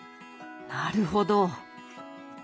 なるほど。